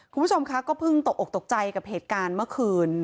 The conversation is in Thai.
คุณผู้ชมคะก็เพิ่งตกออกตกใจกับเหตุการณ์เมื่อคืน